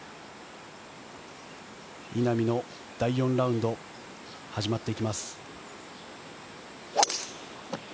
稲見の第４ラウンド、始まっていきます。